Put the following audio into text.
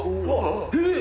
えっ⁉